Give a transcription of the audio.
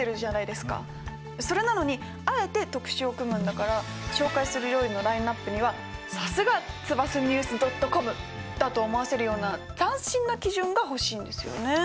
それなのにあえて特集を組むんだから紹介する料理のラインナップにはさすが「ＴＳＵＢＡＳＡ−ＮＥＷＳ．ｃｏｍ」だと思わせるような斬新な基準が欲しいんですよね。